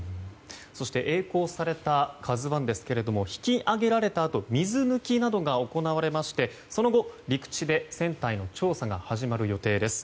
そして曳航された「ＫＡＺＵ１」ですけれども引き揚げられたあと水抜きなどが行われましてその後、陸地で船体の調査が行われる予定です。